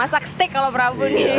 masak stick kalau prabu nih